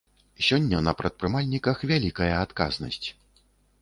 Сёння на прадпрымальніках вялікая адказнасць.